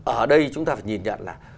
ở đây chúng ta phải nhìn nhận là